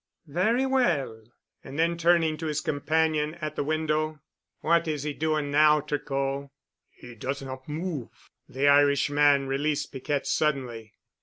"Very well." And then turning to his companion at the window, "What is he doing now, Tricot?" "He does not move——" The Irishman released Piquette suddenly.